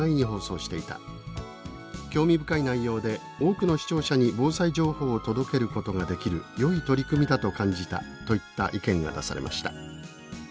興味深い内容で多くの視聴者に防災情報を届けることができるよい取り組みだと感じた」といった意見が出されました。